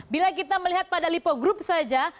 bila kita melihat pada lipo group saja